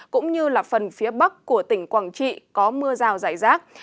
cũng như phần phía bắc của tỉnh quảng trị có mưa rào rải rác